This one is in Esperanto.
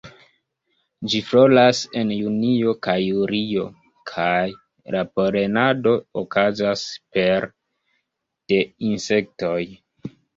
Ĝi floras en junio kaj julio, kaj la polenado okazas pere de insektoj.